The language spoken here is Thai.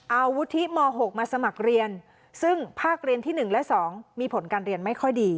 เอาวุฒิม๖มาสมัครเรียนซึ่งภาคเรียนที่๑และ๒มีผลการเรียนไม่ค่อยดี